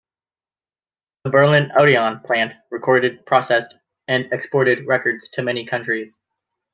The Berlin Odeon plant recorded, processed, and exported records to many countries.